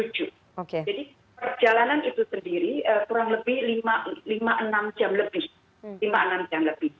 jadi perjalanan itu sendiri kurang lebih lima enam jam lebih